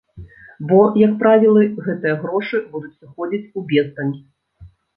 Бо, як правілы, гэтыя грошы будуць сыходзіць у бездань.